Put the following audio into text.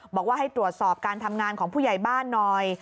บอกว่าให้ตรวจสอบการทำงานของผู้ใหญ่บ้านหน่อย